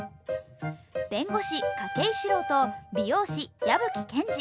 弁護士・筧史朗と美容師・矢吹賢二。